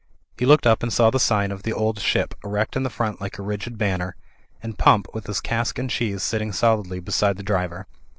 He looked up and saw the sign of "The Old Ship" erect in the front like a rigid banner; and Pump, with his cask and cheese, sitting solidly beside the driver.